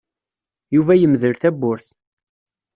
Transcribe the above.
Yuba yemdel tawwurt.